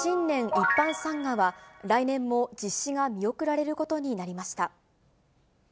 一般参賀は、来年も実施が見送られることになりました。